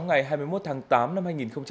ngày hai mươi một tháng tám năm hai nghìn hai mươi